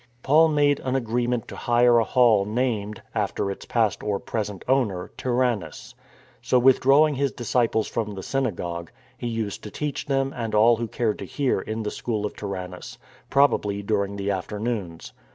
Paul made an agreement to hire a hall named, after its past or present owner, Tyrannus. So, withdraw ing his disciples from the synagogue, he used to teach them and all who cared to hear in the school of Tyrannus, probably during the afternoons.